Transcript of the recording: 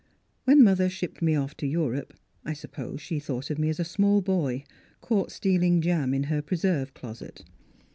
" When mother shipped me off to Eu rope I suppose she thought of me as a small boy, caught stealing jam in her pre serve closet.